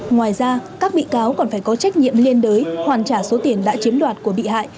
ngoài ra các bị cáo còn phải có trách nhiệm liên đới hoàn trả số tiền đã chiếm đoạt của bị hại